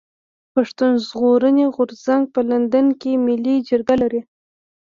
پښتون ژغورني غورځنګ په لندن کي ملي جرګه لري.